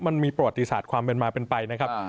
มันมาเป็นไปนะครับ